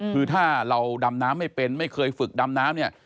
คือถ้าเราดำน้ำไม่เป็นไม่เคยฝึกดำน้ำเนี่ย